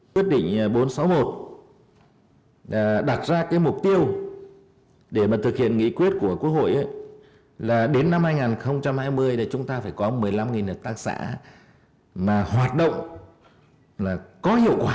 quyết định bốn trăm sáu mươi một đặt ra cái mục tiêu để mà thực hiện nghị quyết của quốc hội là đến năm hai nghìn hai mươi là chúng ta phải có một mươi năm hợp tác xã mà hoạt động là có hiệu quả